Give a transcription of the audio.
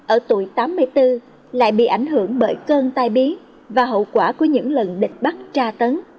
ở tuổi tám mươi bốn lại bị ảnh hưởng bởi cơn tai bí và hậu quả của những lần địch bắt tra tấn